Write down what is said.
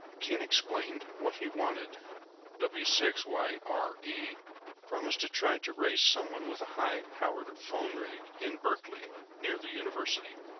Ken explained what he wanted. W6YRE promised to try to raise someone with a high powered phone rig in Berkeley, near the university.